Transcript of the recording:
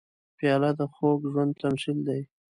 پیاله د خوږ ژوند تمثیل دی.